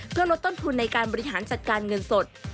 เพื่อลดต้นทุนในการบริหารจัดการเงินสด